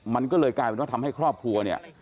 มันก็เลยกลายเป็นว่าทำให้ครอบครัวเนี่ย